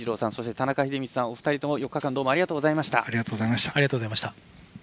田中秀道さん、お二人とも４日間どうもありがとうございました。